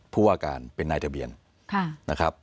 ผู้ว่าการเป็นนายทะเบียนนะครับ